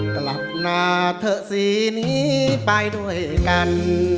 กลับมาเถอะสีนี้ไปด้วยกัน